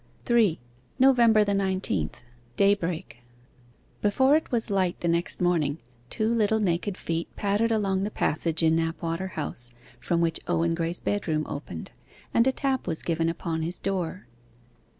3. NOVEMBER THE NINETEENTH. DAYBREAK Before it was light the next morning, two little naked feet pattered along the passage in Knapwater House, from which Owen Graye's bedroom opened, and a tap was given upon his door.